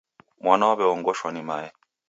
Mwana waw'eongoshwa ni mae.